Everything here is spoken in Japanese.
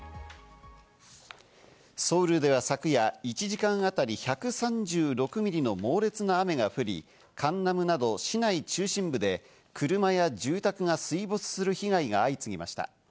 ソウルでは昨夜１時間あたり１３６ミリの猛烈な雨が降り、カンナムなど市内中心部で車や住宅が水没する被害が相次ぎました。